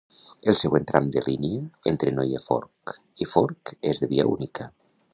El següent tram de línia, entre Neue Forch i Forch, és de via única.